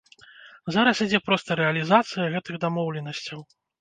Зараз ідзе проста рэалізацыя гэтых дамоўленасцяў.